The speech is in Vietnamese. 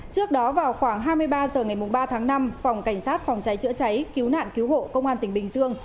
trước đó vào khoảng hai mươi ba h ngày ba tháng năm phòng cảnh sát phòng cháy chữa cháy cứu nạn cứu hộ công an tỉnh bình dương